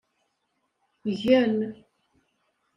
Gen.